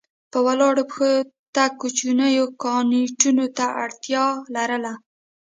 په ولاړو پښو تګ کوچنیو کوناټیو ته اړتیا لرله.